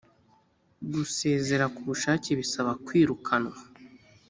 gusezera ku bushake bisa kwirukanwa